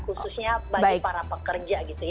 khususnya bagi para pekerja gitu ya